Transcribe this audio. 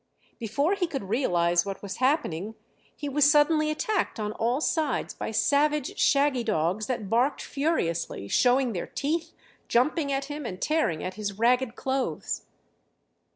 Before he could realize what was happening he was suddenly attacked on all sides by savage shaggy dogs that barked furiously, showing their teeth, jumping at him, and tearing at his ragged clothes.